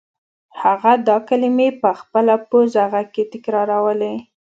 هغه دا کلمې په خپل پوزه غږ کې تکرارولې